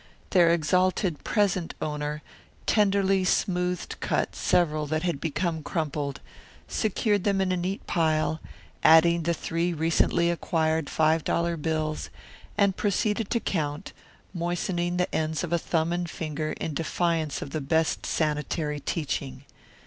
Their exalted present owner tenderly smoothed out several , secured them in a neat pile, adding the three recently acquired five dollar bills, and proceeded to count, moistening the ends of a thumb and finger in defiance of the best sanitary teaching.